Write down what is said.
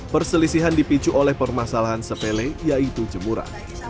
perselisihan dipicu oleh permasalahan sepele yaitu jemuran